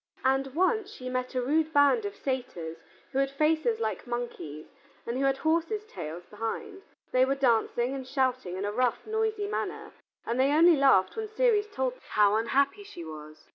And once she met a rude band of satyrs who had faces like monkeys and who had horses' tails behind; they were dancing and shouting in a rough, noisy manner, and they only laughed when Ceres told them how unhappy she was.